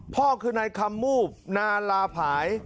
พ่อคือในคำมูบนาราผาย